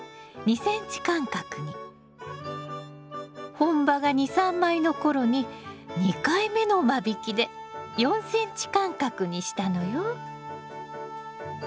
本葉が２３枚の頃に２回目の間引きで４ｃｍ間隔にしたのよ。